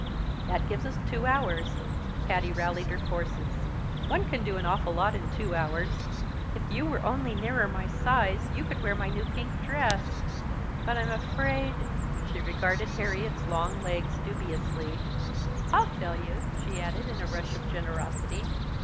"That gives us two hours," Patty rallied her forces. "One can do an awful lot in two hours. If you were only nearer my size, you could wear my new pink dress but I'm afraid " She regarded Harriet's long legs dubiously. "I'll tell you!" she added, in a rush of generosity.